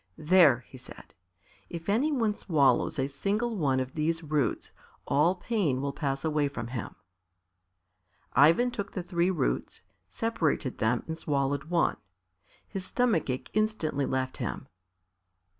"There," he said; "if any one swallows a single one of these roots all pain will pass away from him." Ivan took the three roots, separated them and swallowed one. His stomach ache instantly left him.